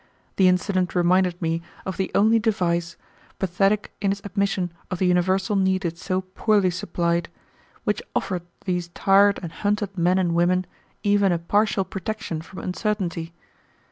The incident reminded me of the only device, pathetic in its admission of the universal need it so poorly supplied, which offered these tired and hunted men and women even a partial protection from uncertainty.